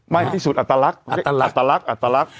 ไม่พิสูจน์อัตลักษณ์อัตลักษณ์อัตลักษณ์อัตลักษณ์